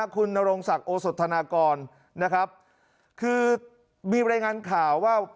คุณนโรงศักดิ์โอสถานกรคือมีรายงานข่าวว่า